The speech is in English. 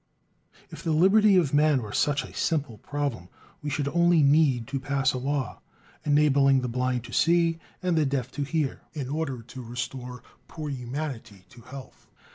If the liberty of man were such a simple problem, we should only need to pass a law, enabling the blind to see and the deaf to hear, in order to restore "poor humanity" to health.